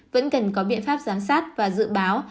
vẫn cần có biện pháp giám sát và dự báo